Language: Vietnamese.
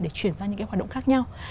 để chuyển sang những cái hoạt động khác nhau